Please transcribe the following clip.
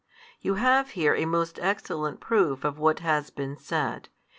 You have here a most excellent proof of |149 what has been said.